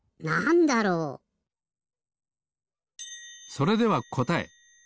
それではこたえ。